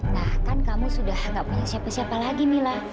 nah kan kamu sudah gak punya siapa siapa lagi mila